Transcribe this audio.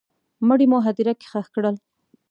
مړی مو هدیره کي ښخ کړی